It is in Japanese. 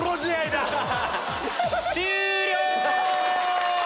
終了！